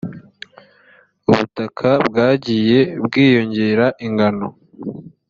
ubutaka bwagiye bwiyongera ingano